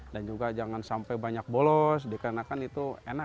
dan juga jangan sampai banyak bolos dikarenakan itu enak